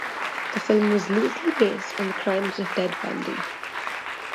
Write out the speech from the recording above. The film was loosely based on the crimes of Ted Bundy.